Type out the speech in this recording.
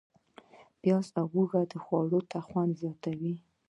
پیاز او هوږه د خوړو خوند زیاتوي.